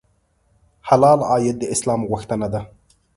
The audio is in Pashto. حلال عاید د اسلام غوښتنه ده.